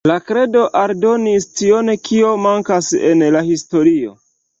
La kredo aldonis tion kio mankas en la historio.